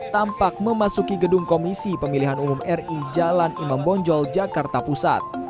tampak memasuki gedung komisi pemilihan umum ri jalan imam bonjol jakarta pusat